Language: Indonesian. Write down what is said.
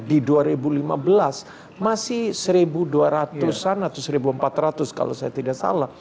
di dua ribu lima belas masih satu dua ratus an atau seribu empat ratus kalau saya tidak salah